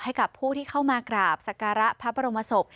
ให้กับผู้ที่เข้ามากราบสการะพระบรมศพ